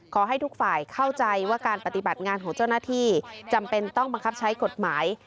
ขอให้ทุกฝ่ายเข้าใจว่าการปฏิบัติงานของเจ้าหน้าที่จำเป็นต้องบังคับใช้กฎหมาย